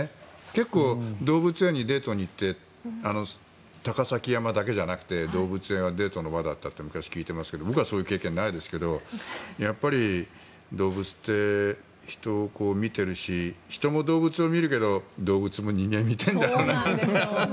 結構、動物園にデートに行って高崎山だけじゃなくて動物園はデートの場だったって昔、聞いてますが僕はそういう経験ないですがやっぱり動物って人を見てるし人も動物を見るけど動物も人間を見たいんだろうなって。